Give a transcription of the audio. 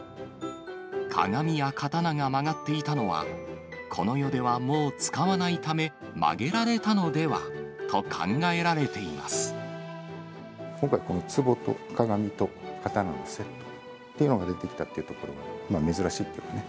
鏡や刀が曲がっていたのは、この世ではもう使わないため、曲げられたのではと考えられてい今回、つぼと鏡と刀がセットで出てきたというのは珍しいけどね。